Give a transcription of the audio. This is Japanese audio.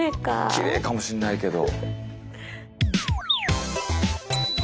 きれいかもしんないけど。